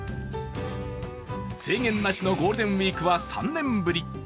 制限なしのゴールデンウイークは３年ぶり。